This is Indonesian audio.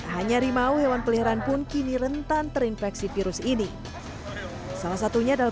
hanya rimau hewan peliharaan pun kini rentan terinfeksi virus ini salah satunya adalah